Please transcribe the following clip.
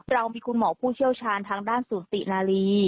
เรามีคุณหมอผู้เชี่ยวชาญทางด้านศูนย์ตินาลี